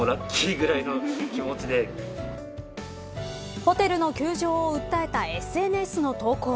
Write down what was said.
ホテルの窮状を訴えたＳＮＳの投稿。